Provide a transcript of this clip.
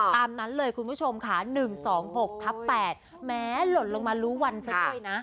ตามนั้นเลยคุณผู้ชมค่ะ๑๒๖ทับ๘แม้หล่นลงมารู้วันซะด้วยนะ